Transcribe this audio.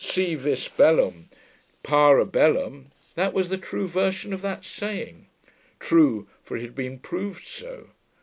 Si vis bellum, para bellum; that was the true version of that saying. True, for it had been proved so.